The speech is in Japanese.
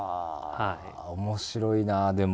面白いなでも。